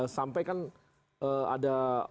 sampai kan ada